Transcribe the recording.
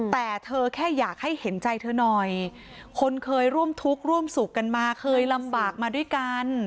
แต่เธอแค่อยากให้เห็นใจเธอหน่อยคนเคยร่วมทุกข์ร่วมสุขกันมาเคยลำบากมาด้วยกัน